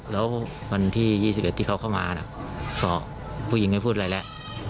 แล้ววันที่๒๑ที่เขาเข้ามาสอบผู้หญิงไม่พูดอะไรแล้ว